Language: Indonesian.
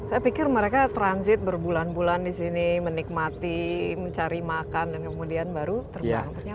saya pikir mereka transit berbulan bulan di sini menikmati mencari makan dan kemudian baru terbang